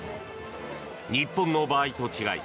日本の場合と違い